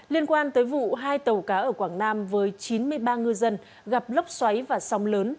liên quan tới vụ hai tàu cá ở quảng nam với chín mươi ba ngư dân gặp lốc xoáy và sóng lớn